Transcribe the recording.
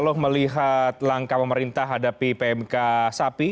saya ingin melihat langkah pemerintah hadapi pmk sapi